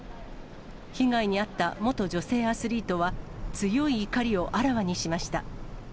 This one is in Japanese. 被害に遭った元女性アスリートは、強い怒りをあらわにしました。